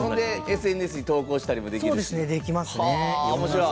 ＳＮＳに投稿したりもできるし。